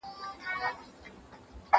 سلا کار به د پاچا او د امیر یې